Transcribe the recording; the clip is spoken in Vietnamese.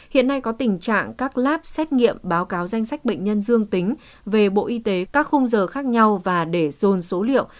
hiện nay có tình trạng các lab xét nghiệm báo cáo danh sách bệnh nhân dương tính về bộ y tế các khung giờ khác nhau và để dồn số liệu